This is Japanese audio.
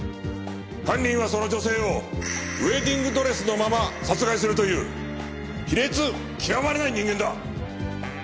犯人はその女性をウェディングドレスのまま殺害するという卑劣極まりない人間だ。